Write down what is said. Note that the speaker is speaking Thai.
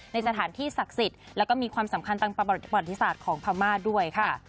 ในสถานที่ศักดิ์สิทธิ์แล้วก็มีความสำคัญทางประวัติศาสตร์ของพม่าด้วยค่ะ